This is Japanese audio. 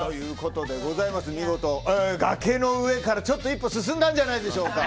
見事崖の上からちょっと一歩進んだんじゃないでしょうか。